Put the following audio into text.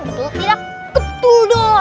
tidak betul dot